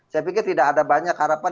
saya pikir tidak ada banyak harapan